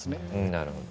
なるほど。